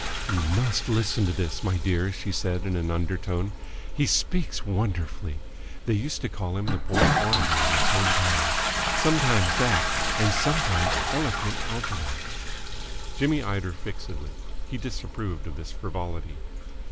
"You must listen to this, my dear," she said in an undertone. "He speaks wonderfully! They used to call him the Boy Orator in his home town. Sometimes that, and sometimes Eloquent Algernon!" Jimmy eyed her fixedly. He disapproved of this frivolity.